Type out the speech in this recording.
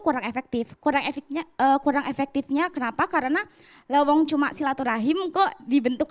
kurang efektif kurang efektifnya kurang efektifnya kenapa karena lewong cuma silaturahim kok dibentuk